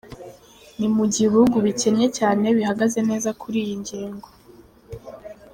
Ni mu gihe ibihugu bikennye cyane bihagaze neza kuri iyi ngingo.